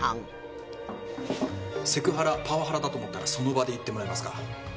セクハラパワハラだと思ったらその場で言ってもらえますか？